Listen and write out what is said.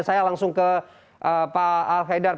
saya langsung ke pak al khaidar